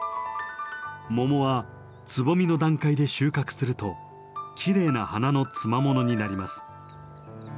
桃はつぼみの段階で収穫するときれいな花のつまものになります。